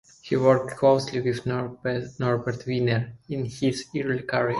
He worked closely with Norbert Wiener in his early career.